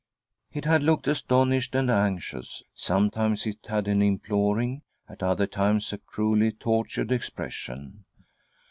It had looked astonished and anxious ; sometimes it had an imploring; at other times a cruelly tortured expression.